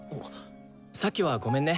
さっきはごめんね！